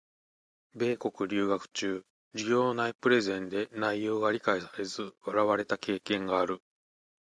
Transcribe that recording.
米国留学中、授業内プレゼンで内容が理解されず笑われた経験がある。